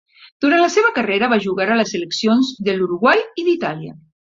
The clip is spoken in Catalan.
Durant la seva carrera va jugar a les seleccions de l'Uruguai i d'Itàlia .